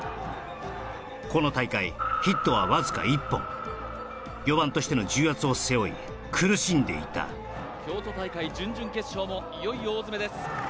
この大会ヒットはわずか１本４番としての重圧を背負い苦しんでいた京都大会準々決勝もいよいよ大詰めです